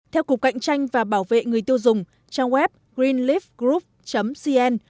theo cục cạnh tranh và bảo vệ người tiêu dùng trang web greenleafgroup cn